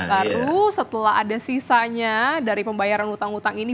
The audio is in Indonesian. baru setelah ada sisanya dari pembayaran utang utang ini